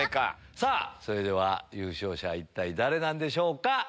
さぁそれでは優勝者は一体誰なんでしょうか？